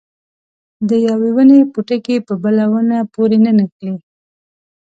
د یوې ونې پوټکي په بله ونه پورې نه نښلي.